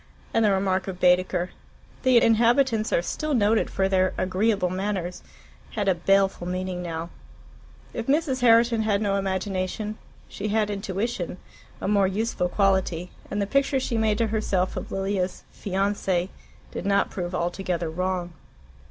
And the remark of Baedeker, "The inhabitants are still noted for their agreeable manners," had a baleful meaning now. If Mrs. Herriton had no imagination, she had intuition, a more useful quality, and the picture she made to herself of Lilia's FIANCE did not prove altogether wrong.